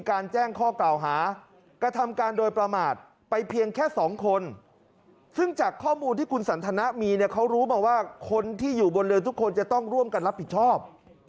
คนที่อยู่บนเรือทุกคนจะต้องร่วมกันรับผิดชอบ